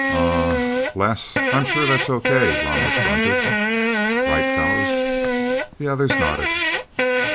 "Uh uh, Les I'm sure that's okay," Ramos grunted. "Right, fellas?" The others nodded.